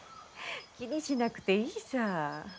気にしなくていいさ。